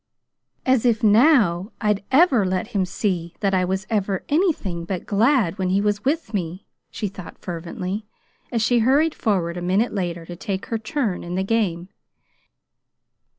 "As if NOW I'd ever let him see that I was ever anything but glad when he was with me!" she thought fervently, as she hurried forward a minute later to take her turn in the game.